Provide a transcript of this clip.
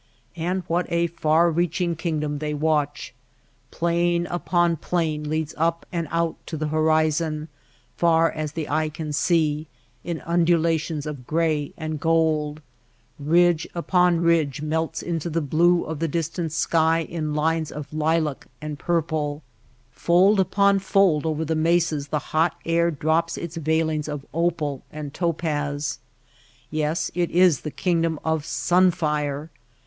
And what a far reaching kingdom they watch ! Plain upon plain leads up and out to the horizon — far as the eye can see — in undulations of gray and gold ; ridge upon ridge melts into the blue of the distant sky in lines of lilac and purple ; fold upon fold over the mesas the hot air drops its veilings of opal and topaz. Yes ; it is the kingdom of sun fire.